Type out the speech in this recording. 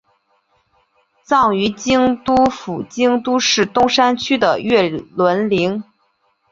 葬于京都府京都市东山区的月轮陵。